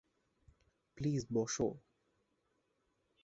Please, বসো।